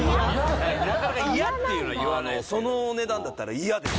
なかなか嫌っていうのは言わないですけどあのそのお値段だったら嫌です